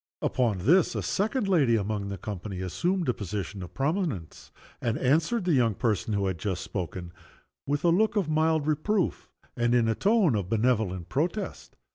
Upon this, a second lady among the company assumed a position of prominence, and answered the young person who had just spoken with a look of mild reproof, and in a tone of benevolent protest.